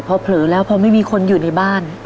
พอเผลอแล้วพอไม่มีคนอยู่ในบ้าน